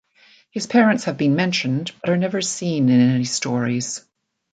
His parents have been mentioned but are never seen in any stories.